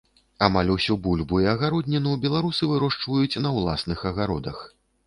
Амаль усю бульбу і агародніну беларусы вырошчваюць на ўласных агародах.